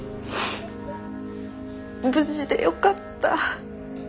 無事でよかった。